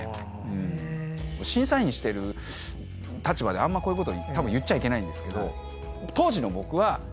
審査員してる立場であんまこういうことをたぶん言っちゃいけないんですけど。